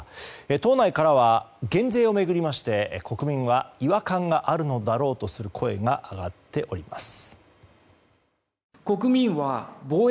党内からは減税を巡りまして国民は違和感があるのだろうという声が上がっております。